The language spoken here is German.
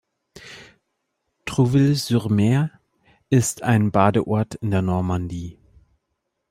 Trouville-sur-Mer ist ein Badeort in der Normandie.